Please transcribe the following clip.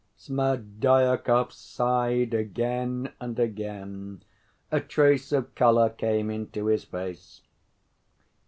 Smerdyakov sighed again and again. A trace of color came into his face.